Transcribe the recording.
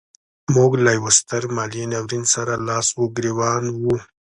موږ له یوه ستر مالي ناورین سره لاس و ګرېوان وو.